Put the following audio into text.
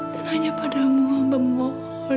dan hanya padamu ambem mohon